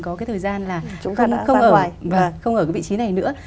có cái thời gian là không ở cái vị trí này nữa